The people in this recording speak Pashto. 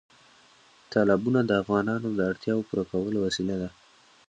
تالابونه د افغانانو د اړتیاوو پوره کولو وسیله ده.